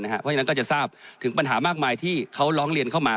เพราะฉะนั้นก็จะทราบถึงปัญหามากมายที่เขาร้องเรียนเข้ามา